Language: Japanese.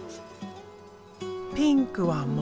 ピンクは桃。